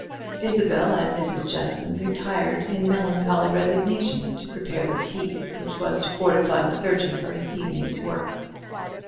Isabel and Mrs. Jeffson retired in melancholy resignation to prepare the tea, which was to fortify the surgeon for his evening's work.